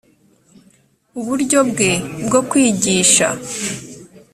uburyo bwe bwo kwigisha